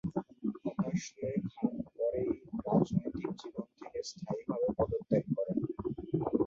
হতাশ হয়ে খান পরেই রাজনৈতিক জীবন থেকে স্থায়ীভাবে পদত্যাগ করেন।